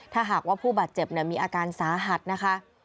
ถ้าหากว่าผู้บาดเจ็บมีอาการสาหัสนะคะ